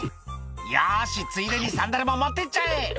「よしついでにサンダルも持ってっちゃえ」